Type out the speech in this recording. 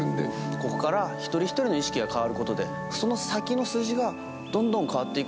ここから一人ひとりの意識が変わることでその先の数字がどんどん変わっていく。